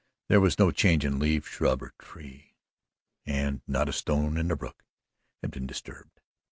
There was no change in leaf, shrub or tree, and not a stone in the brook had been disturbed.